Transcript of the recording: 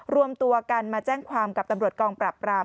รวมตัวกันมาแจ้งความกับตำรวจกองปราบราม